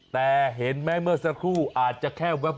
แต่เห็นไหมเมื่อสักครู่อาจจะแค่แว๊บ